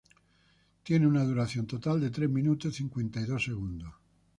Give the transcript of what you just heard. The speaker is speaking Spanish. Tiene una duración total de tres minutos y cincuenta y dos segundos.